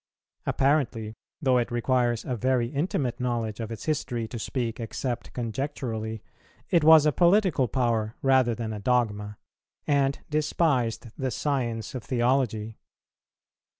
Apparently, though it requires a very intimate knowledge of its history to speak except conjecturally, it was a political power rather than a dogma, and despised the science of theology.